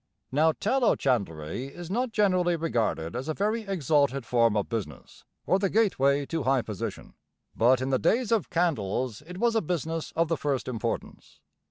Now tallow chandlery is not generally regarded as a very exalted form of business, or the gateway to high position; but in the days of candles it was a business of the first importance.